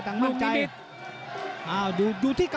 หรือว่าผู้สุดท้ายมีสิงคลอยวิทยาหมูสะพานใหม่